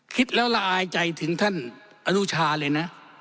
คิดแล้วละอายใจถึงท่านอนุชาเลยนะ